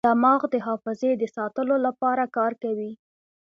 دماغ د حافظې د ساتلو لپاره کار کوي.